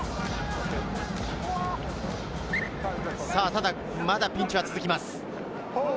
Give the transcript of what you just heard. ただ、まだピンチは続きます。